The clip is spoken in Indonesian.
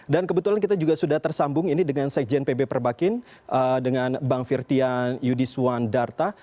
dan kebetulan kita juga sudah tersambung ini dengan sekjen pb perbakin dengan bang firtian yudhiswan darta